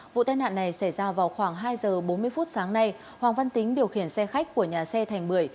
vụ tai nạn này xảy ra vào khoảng hai giờ bốn mươi phút sáng nay hoàng văn tính điều khiển xe khách của nhà xe thành bưởi